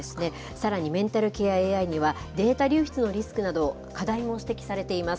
さらにメンタルケアＡＩには、データ流出のリスクなど、課題も指摘されています。